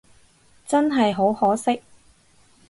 真係好可惜